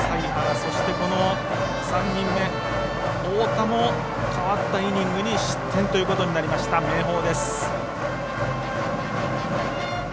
そして３人目の太田も代わったイニングに失点ということになりました明豊です。